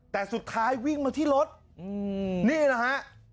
แต่สุดท้ายวิ่งมาที่รถนี่นะฮะ